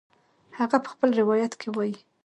هغه په خپل روایت کې وایي